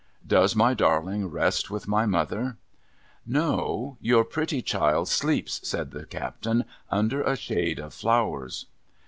Does my darling rest with my mother ?'' No. Your pretty child sleeps,' said the Captain, ' under a shade of flowers.'